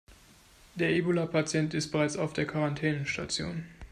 Der Ebola-Patient ist bereits auf der Quarantänestation.